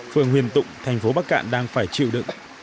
phường huyền tụng thành phố bắc cạn đang phải chịu đựng